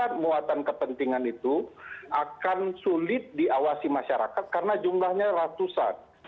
hal yang syarat muatan kepentingan itu akan sulit diawasi masyarakat karena jumlahnya ratusan